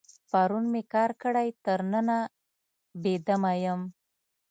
پرون مې کار کړی، تر ننه بې دمه یم.